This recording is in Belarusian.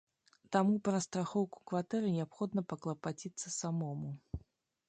Таму пра страхоўку кватэры неабходна паклапаціцца самому.